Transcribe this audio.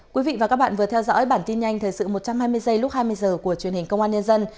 quý vị và các bạn vừa theo dõi bản tin nhanh thời sự một trăm hai mươi giây lúc hai mươi h của truyền hình công an nhân dân